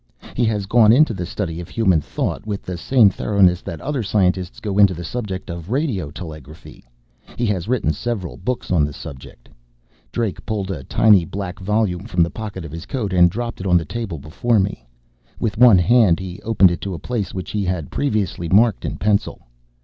He has gone into the study of human thought with the same thoroughness that other scientists go into the subject of radio telegraphy. He has written several books on the subject." Drake pulled a tiny black volume from the pocket of his coat and dropped it on the table before me. With one hand he opened it to a place which he had previously marked in pencil.